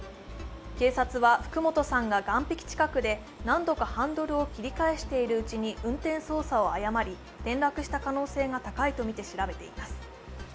警察は福本さんが岩壁近くで何度かハンドルを切り返しているうちに運転操作を誤り、転落した可能性が高いとみて調べています。